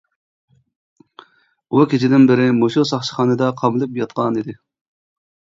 ئۇ كېچىدىن بېرى مۇشۇ ساقچىخانىدا قامىلىپ ياتقانىدى.